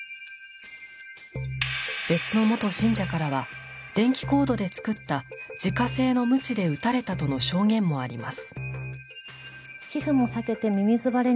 別の元信者からは電気コードで作った自家製の鞭で打たれたとの証言もあります。